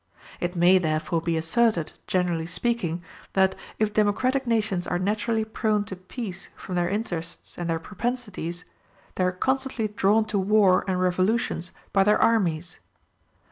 It may therefore be asserted, generally speaking, that if democratic nations are naturally prone to peace from their interests and their propensities, they are constantly drawn to war and revolutions by their armies.